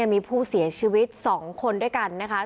มีผู้เสียชีวิต๒คนด้วยกันนะคะ